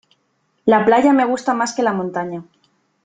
La playa me gusta más que la montaña.